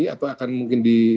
atau akan mungkin di